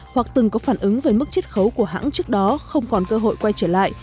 hoặc từng có phản ứng với mức chất khấu của hãng trước đó không còn cơ hội quay trở lại